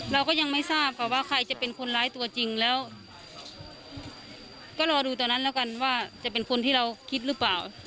เราก็ยังไม่ทราบค่ะว่าใครจะเป็นคนร้ายตัวจริงแล้วก็รอดูตอนนั้นแล้วกันว่าจะเป็นคนที่เราคิดหรือเปล่า